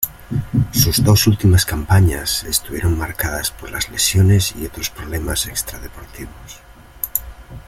Sus dos últimas campañas estuvieron marcadas por las lesiones y otros problemas extradeportivos.